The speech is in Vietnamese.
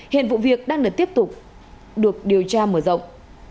hiện vụ việc đang được tiếp tục được điều tra mở rộng